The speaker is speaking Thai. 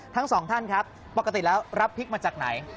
ทั้งสองท่านครับปกติแล้วรับพริกมาจากไหน